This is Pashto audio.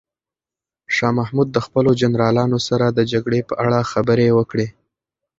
شاه محمود د خپلو جنرالانو سره د جګړې په اړه خبرې وکړې.